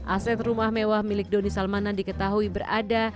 aset rumah mewah milik doni salmanan diketahui berada